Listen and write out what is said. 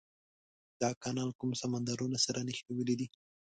دا کانال کوم سمندرونه سره نښلولي دي؟